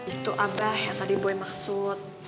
itu abah yang tadi buaya maksud